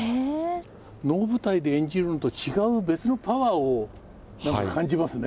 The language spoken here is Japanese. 能舞台で演じるのと違う別のパワーを何か感じますね。